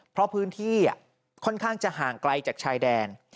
เพราะพื้นที่ค่อนข้างจะห่างไกลจากชายแดน